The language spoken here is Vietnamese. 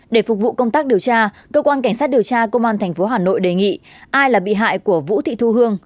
để phục vụ công tác điều tra cơ quan cảnh sát điều tra công an tp hà nội đề nghị ai là bị hại của vũ thị thu hương